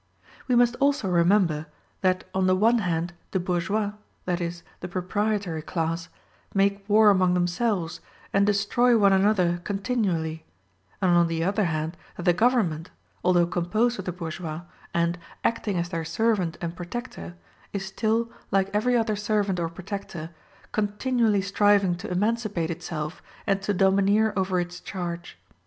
We must also remember that on the one hand the bourgeois, that is, the proprietory class, make war among themselves, and destroy one another continually, and on the other hand that the government, although composed of the bourgeois and, acting as their servant and protector, is still, like every other servant or protector, continually striving to emancipate itself and to domineer over its charge.